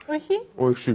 おいしい？